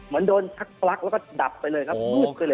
เหมือนโดนชักปลั๊กแล้วก็ดับไปเลยครับมืดขึ้นเลย